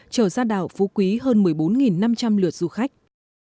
chở ra đảo phu quý hơn một mươi bốn năm trăm linh lượt du khách